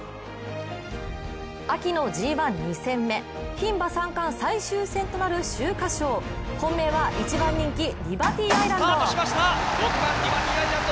牝馬三冠最終戦となる秋華賞、本命は一番人気・リバティアイランド。